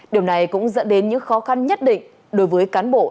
điều này cũng dẫn đến những khó khăn nhất định đối với cán bộ